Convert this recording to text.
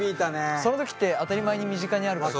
その時って当たり前に身近にあるわけ。